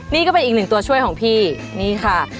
นี่ก็เป็นอีกหนึ่งตัวช่วยของพี่นี่ค่ะ